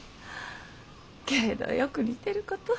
けれどよく似てること。